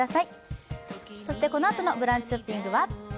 このあとの「ブランチショッピング」は？